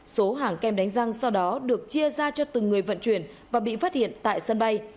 số hàng kem đánh răng sau đó được chia ra cho từng người vận chuyển và bị phát hiện tại sân bay